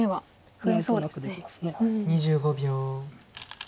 ２５秒。